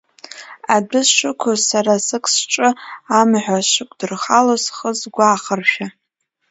Адәы сшықәыз сара сыг-сҿы амҳәо, сшықәдырхалоз схы сгәы ахыршәа…